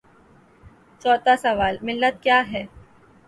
چوتھا سوال: ملت کیاہے؟